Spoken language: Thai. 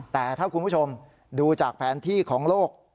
แต่ถ้าคุณผู้ชมดูจากแผนที่ของโลก